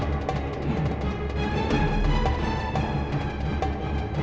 aku akan mencari siapa saja yang bisa membantu kamu